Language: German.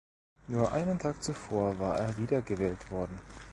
Nur einen Tag zuvor war er wiedergewählt worden.